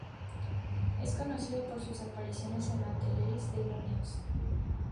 Es conocido por sus apariciones en la teleserie "The Genius".